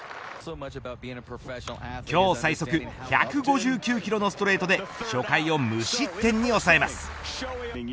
今日最速１５９キロのストレートで初回を無失点に抑えます。